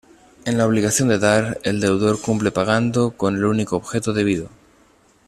En la obligación de dar, el deudor cumple pagando con el único objeto debido.